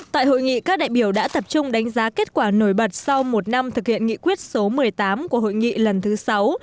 tại hội nghị các đại biểu đã tập trung đánh giá kết quả nổi bật sau một năm thực hiện nghị quyết số một mươi tám của hội nghị lần thứ sáu